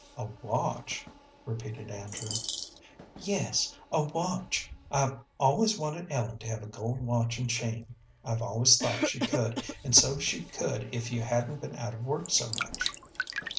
"A watch?" repeated Andrew. "Yes, a watch. I've always wanted Ellen to have a gold watch and chain. I've always thought she could, and so she could if you hadn't been out of work so much."